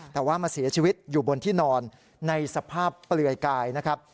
แต่ว่ามาเสียชีวิตอยู่บนที่นอนในสภาพเปลือยกายนะครับ